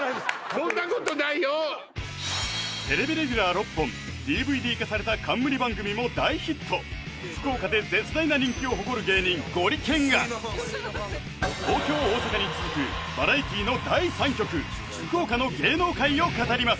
そんなことないよテレビレギュラー６本ＤＶＤ化された冠番組も大ヒット福岡で絶大な人気を誇る芸人ゴリけんが東京大阪に続くバラエティの第三局福岡の芸能界を語ります